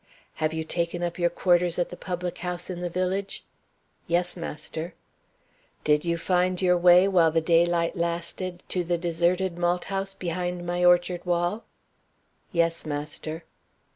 "Have you taken up your quarters at the public house in the village?" "Yes, master." "Did you find your way, while the daylight lasted, to the deserted malt house behind my orchard wall?" "Yes, master."